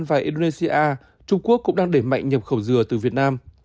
trong thời gian indonesia trung quốc cũng đang đẩy mạnh nhập khẩu dừa từ việt nam